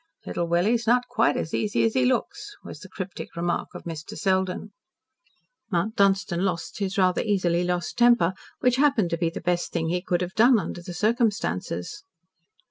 "Little Willie's not quite as easy as he looks," was the cryptic remark of Mr. Selden. Mount Dunstan lost his rather easily lost temper, which happened to be the best thing he could have done under the circumstances.